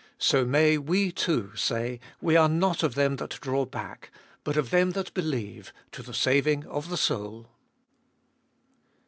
So may we too say, We are not of them that draw back, but of them that believe to the saving oi the soul.